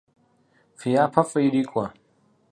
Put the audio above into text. Фи япэ фӏы кърикӏуэ.